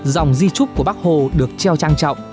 dòng di trúc của bác hồ được treo trang trọng